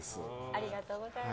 ありがとうございます。